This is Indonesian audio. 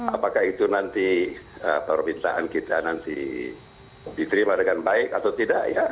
apakah itu nanti permintaan kita nanti diterima dengan baik atau tidak ya